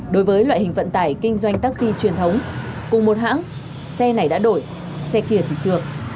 đối với loại hình vận tải kinh doanh taxi truyền thống cùng một hãng xe này đã đổi xe kia thì chưa